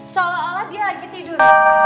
seolah olah dia lagi tidur